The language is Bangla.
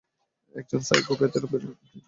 একজন সাইকোপ্যাথের ব্রেইন?